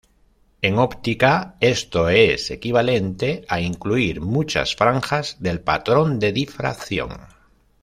En óptica, esto es equivalente a incluir muchas franjas del patrón de difracción.